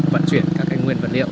vận chuyển các nguyên vật liệu